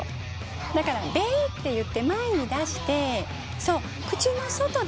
だからべって言って前に出して。